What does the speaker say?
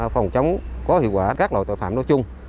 phòng chống có hiệu quả các loại tội phạm nói chung